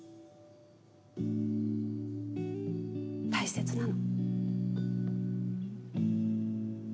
大切なの。